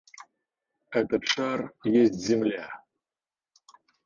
Этот шар есть земля.